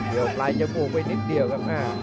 เดียวปลายเจ้าผู้ไปนิดเดียวครับ